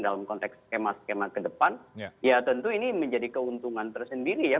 dalam konteks skema skema kedepan ya tentu ini menjadi keuntungan tersendiri ya